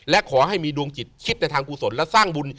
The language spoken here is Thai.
และขอให้มีดวงจิตคิดในทางกุศลและสร้างบุญ